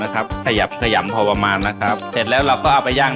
กับหมูประมาณ๔กิโล